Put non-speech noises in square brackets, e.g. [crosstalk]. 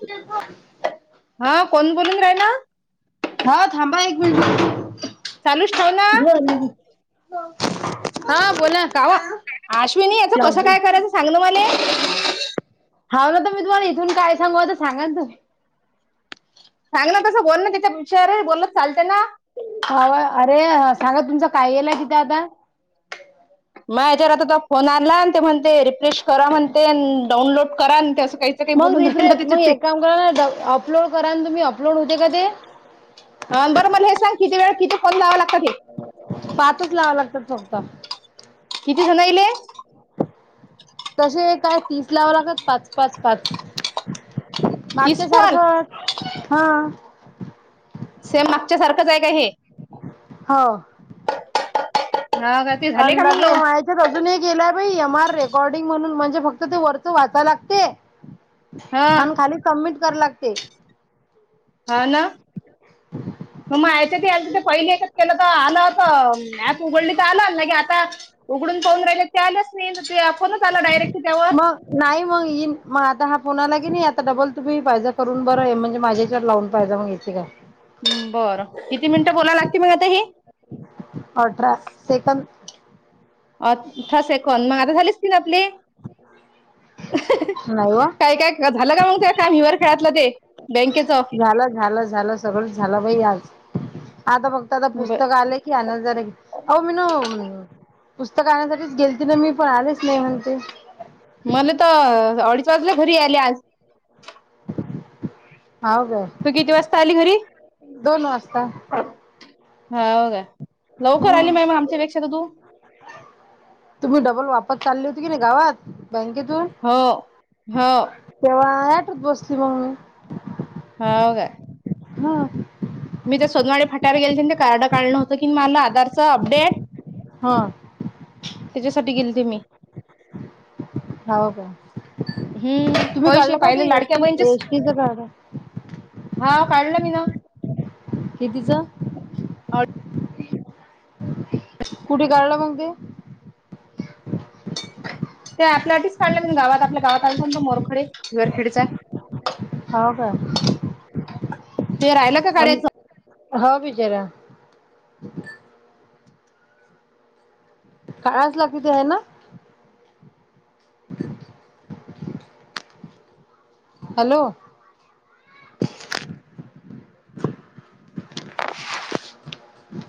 [unintelligible] हा कोण बोलून राहिल? हा थांबा एक मिनट. चालूच ठेव ना [unintelligible] हा बोला कावा अश्विनी याचं कसं काय करायचं [unintelligible] सांग ना मले. हव ना तर मी तुम्हाला इथून काय सांगू तर सांगा न तुम्ही. सांग ना तसं बोल ना तिथे कुण्या विषयावर बोललत चालत ना. हा व अरे सांगा तुमचं काय गेलंय तिथे आता. माझ्या याच्यावर आता तो फोन आणला ते म्हणते रिफ्रेश करा म्हणते डाऊनलोड मग रिफ्रेश मग एक काम करा ना अपलोड करा ना? तुम्ही अपलोड होते का ते. ह अन् बरं मला हे सांग किती वेळात किती कॉल लावावे लागतात हे. पाचच लावाव लागतात फक्त. किती जणायले. तशे काय तीस लावावे लागत पाच - पाच - पाच. तीस मागच्या कॉल सारखं हा. सेम मागच्या सारखंच आहे का हे? हा वो. हा का ते झाले आण का मग लगे लावून माई त तर अजून गेलाय एम आर रेकॉर्डिंग म्हणून म्हणजे फक्त ते वरच वाचायला लागते. हा आणि खाली सबमिट करा लागते. हा ना? [inaudible] मग माझ्या च्या ते पहिले एकच केलं तर आलं होत ॲप उघडली तर आलं लगे आता. उघडून पाहून राहिले ते आल्याच नाही ते फोनच आला डायरेक्ट त्याच्यावर. मग नाही मग येईन मग आता हा फोन आला की नाही आता डबल तुम्ही पाहिजा करून बरं आहे म्हणजे माझ्या याच्यावर लावून. फयदा मग इकती काय? बरं किती मिनिटं बोलायला लागते मग आता हे. आठरा सेकंद. आठरा सेकंद मग आता झाले असतील आपले. [unintelligible] नाही व काय -काय झालं का मग त्या काम हिवर खेळातलं ते बँकेचं. झालं झालं झालं सगळ झालं बाई आज आता फक्त आता बर. पुस्तक आले कि आन जरे आव मी नो - - पुस्तक आणायसाठीच गेल ती ना मी पण आलेच नाही म्हणते. मले तर अडीच वाजल्या घरी यायले आज. हाव काय? तू किती वाजता आली घरी? दोन वाजता. हा हो काय लवकर आली हम्म म मग आमच्या पेक्षा तर तू? तुम्ही डबल वापस चालले होती की नाही गावात बँकेतून? हो. हो. तेव्हा आयाटात बसली मग मी. हाव काय? हा. मी त्या सोनवाडी फाट्यावर गेल ते कार्डं काढलं होतं की मला आधारचं अपडेट हां त्याच्यासाठी गेले ते मी हो का हम्म तुम्ही पैसे काढलं का ते पाहिले एस लाडक्या टी बहिणीचेच एस टी च कार्ड हा काढलं मी ना कितीचं कुठे काढले मग ते त्या आपल्यासाठीच काढलं म्हणे गावात आपल्या गावात आला स मोरखडे विरखेडचा हो का ते राहियला आम्ही हाव बिचारा काळच लागत ते आहे ना हॅलो